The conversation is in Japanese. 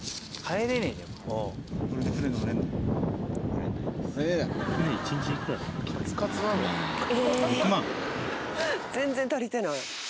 ええ。全然足りてない。